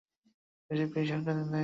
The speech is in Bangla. এ জন্য তিনি বিজেপি সরকারকে দায়ী করেন।